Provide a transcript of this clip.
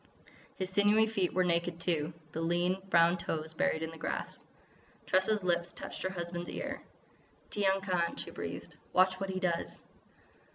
His sinewy feet were naked, too, the lean, brown toes buried in the grass. Tressa's lips touched her husband's ear. "Tiyang Khan," she breathed. "Watch what he does!"